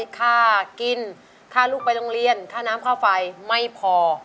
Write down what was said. ค่ากินค่าลูกไปโรงเรียนค่าน้ำค่าไฟไม่พอ